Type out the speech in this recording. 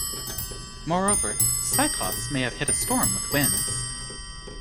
Moreover, "Cyclops" may have hit a storm with winds.